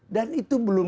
dan itu belum